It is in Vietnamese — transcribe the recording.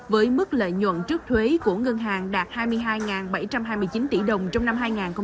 với mức lợi nhuận trước thuế của ngân hàng đạt hai mươi hai bảy trăm hai mươi chín tỷ đồng trong năm hai nghìn hai mươi